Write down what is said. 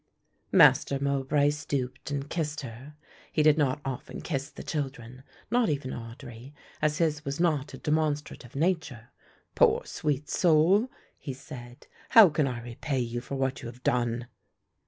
Master Mowbray stooped and kissed her. He did not often kiss the children, not even Audry, as his was not a demonstrative nature. "Poor sweet soul," he said, "how can I repay you for what you have done?"